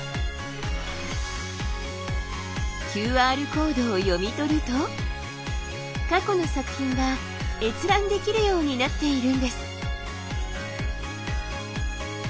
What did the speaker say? ＱＲコードを読み取ると過去の作品が閲覧できるようになっているんです。